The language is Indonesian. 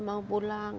terus kata saya bapak